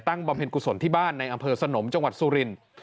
บำเพ็ญกุศลที่บ้านในอำเภอสนมจังหวัดสุรินทร์